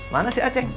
mana si aceh